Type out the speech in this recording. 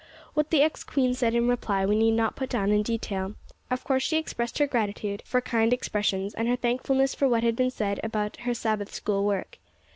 What the ex queen said in reply, we need not put down in detail. Of course, she expressed her gratitude for kind expressions, and her thankfulness for what had been said about her Sabbath school work.